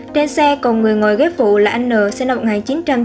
trên xe cùng người ngồi ghế phụ là anh n sinh lập ngày chín trăm chín mươi bốn